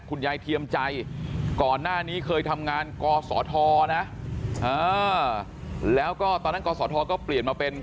เทียมใจก่อนหน้านี้เคยทำงานกศธนะแล้วก็ตอนนั้นกศธก็เปลี่ยนมาเป็น